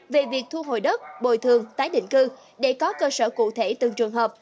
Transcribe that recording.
về việc thu hồi đất bồi thường tái định cư để có cơ sở cụ thể từng trường hợp